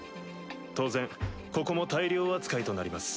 当然ここも退寮扱いとなります。